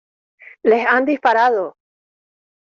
¡ les han disparado!